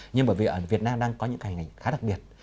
nhưng bởi vì ở việt nam đang có những ngành ngành khá đặc biệt